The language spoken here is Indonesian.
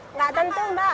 tidak tentu mbak